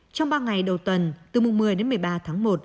trong ba ngày đầu tuần từ mùa một mươi một mươi ba tháng một